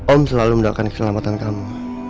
om selalu mendoakan keselamatan kamu